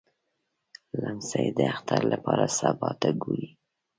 لمسی د اختر لپاره سبا ته ګوري.